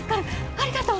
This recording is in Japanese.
ありがとう！